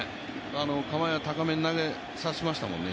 構えは高めに投げさせたもんね。